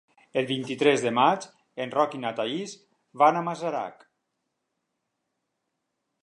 El vint-i-tres de maig en Roc i na Thaís van a Masarac.